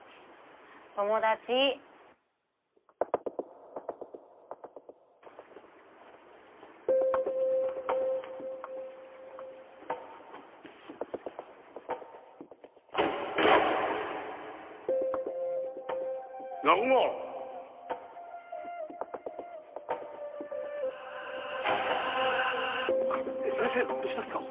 友達南雲先生どうしたんですか？